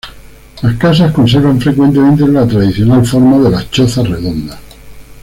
Las casas conservan frecuentemente la tradicional forma de las chozas redondas.